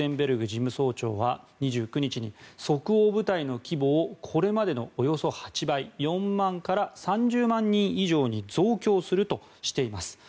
事務総長は２９日に即応部隊の規模をこれまでのおよそ８倍４万人から３０万人以上に増強するとしています。